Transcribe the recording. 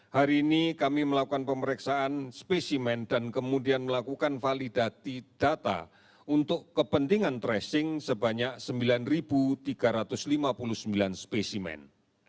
hari ini kami melakukan pemeriksaan spesimen dan kemudian melakukan validati data untuk kepentingan tracing sebanyak sembilan tiga ratus lima puluh sembilan spesimen